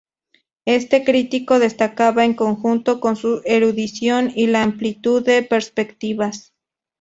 Este crítico destacaba en conjunto por su erudición y la amplitud de perspectivas.